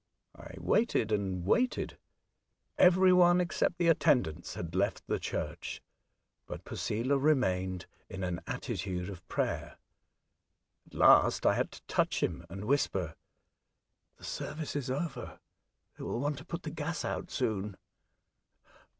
I waited and waited. Every one, except the attendants, had left the church, but Posela remained in an attitude of prayer. At last I had to touch him and whisper, " The service is over, and they will want to put the gas out soon."